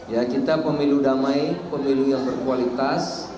ya kita pemilu damai pemilu yang berkualitas